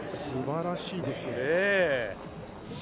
すばらしいですよね。